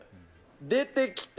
出てきて？